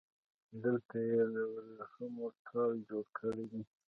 دلته يې له وريښمو ټال جوړ کړی دی